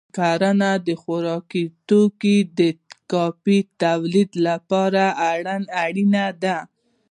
کرنه د خوراکي توکو د کافی تولید لپاره اړینه ده.